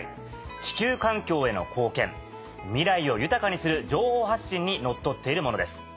「地球環境への貢献」「未来を豊かにする情報発信」にのっとっているものです。